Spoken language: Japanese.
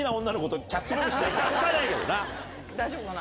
大丈夫かな？